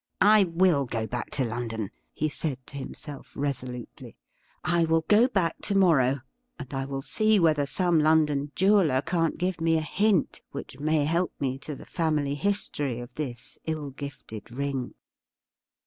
' I will go back to London,' he said to himself resolutely. ' I will go back to morrow, and I will see whether some London jeweller can't give me a hint which may help me to the family history of this ill gifted ring.'